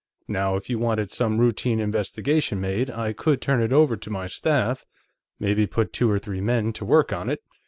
Now, if you wanted some routine investigation made, I could turn it over to my staff, maybe put two or three men to work on it.